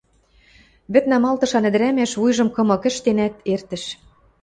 Вӹд намалтышан ӹдӹрӓмӓш вуйжым кымык ӹштенӓт, эртӹш.